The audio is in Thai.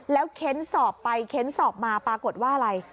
แล้วเค้นสอบไปเค้นสอบมาปรากฏว่าอะไร